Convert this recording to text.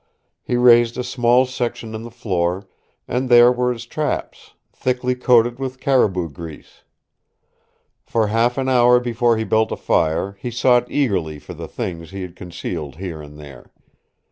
He raised a small section in the floor, and there were his traps, thickly coated with caribou grease. For half an hour before he built a fire he sought eagerly for the things he had concealed here and there.